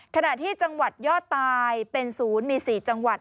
ขณะที่จังหวัดยอดตายเป็นศูนย์มี๔จังหวัด